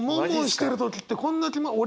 悶悶してる時ってこんな気持ち。